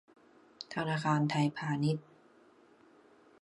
ธนาคารไทยพาณิชย์